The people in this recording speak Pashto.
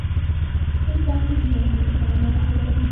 هند باندې د یرغل لپاره لاره هواروي.